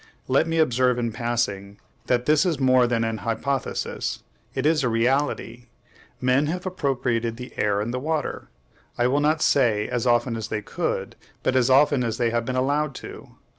Let me observe in passing that this is more than an hypothesis; it is a reality. Men have appropriated the air and the water, I will not say as often as they could, but as often as they have been allowed to.